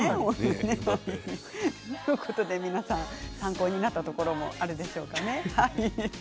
皆さん参考になったところもありますでしょうか。